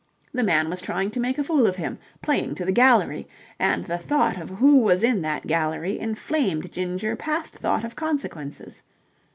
The man was trying to make a fool of him, playing to the gallery: and the thought of who was in that gallery inflamed Ginger past thought of consequences.